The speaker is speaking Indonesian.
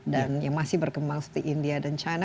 dan yang masih berkembang seperti india dan china